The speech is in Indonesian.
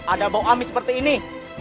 ada bau amis seperti ini